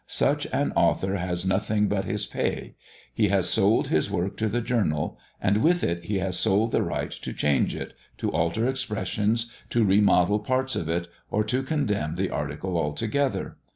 Such an author has nothing but his pay; he has sold his work to the journal; and with it, he has sold the right to change it, to alter expressions, to remodel parts of it, or to condemn the article altogether.